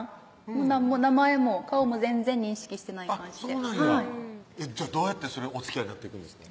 もう何も名前も顔も全然認識してない感じでえっじゃあどうやってそれおつきあいになっていくんですか